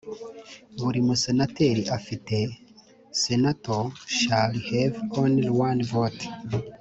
buri Musenateri afite Senator shall have only one vote